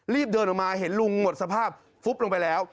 รีบเดินออกมาเห็นลุงหมดสภาพฟุบลงไปแล้ว